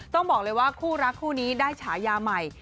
ต้องบอกเลยว่าคู่รักคู่นี้ได้ฉายาใหม่